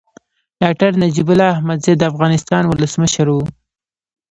ډاکټر نجيب الله احمدزی د افغانستان ولسمشر و.